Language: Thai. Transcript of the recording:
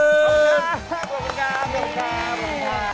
ขอบคุณครับขอบคุณครับ